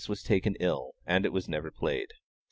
was taken ill, and it was never played.